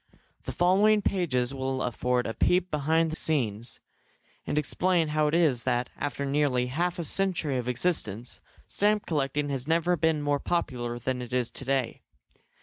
The following pages will afford a peep behind the scenes, and explain how it is that, after nearly half a century of existence, stamp collecting has never been more popular than it is to day.